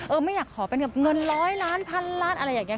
ไม่อยากขอเป็นแบบเงินร้อยล้านพันล้านอะไรอย่างนี้